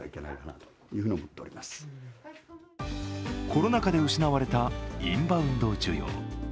コロナ禍で失われたインバウンド需要。